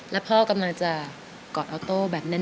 แล้วพ่อกำลังจะกอดออโต้แบบแน่น